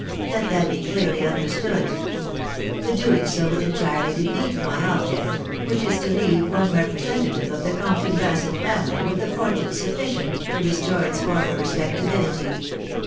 ... Let that be clearly un derstood. ... The doing so would entirely defeat my object, which is to leave one representative of the Compton Basett family with a fortune sufficient to restore its former respect' ability."